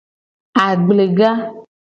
Agblega.